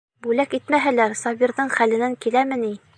Бүләк итмәһәләр, Сабирҙың хәленән киләме ни!